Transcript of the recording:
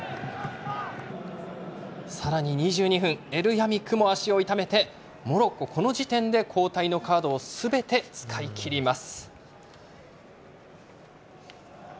さらに２２分エルヤミクも足を痛めてモロッコこの時点で交代のカードをすべて使い切ります。